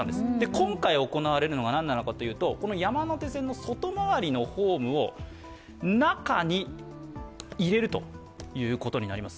今回行われるのは何なのかというと、山手線の外回りのホームを中に入れるということになります。